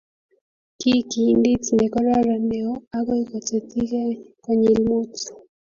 ki kiindit ne kokararan neo akoi koketyigei konyil Mut